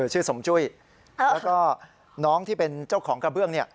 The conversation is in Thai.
สมจุ้ยแล้วก็น้องที่เป็นเจ้าของกระเบื้องเนี่ย